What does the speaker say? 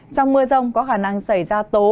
trong mưa rông có khả năng xảy ra tố